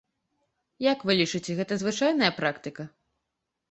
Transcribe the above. Як вы лічыце, гэта звычайная практыка?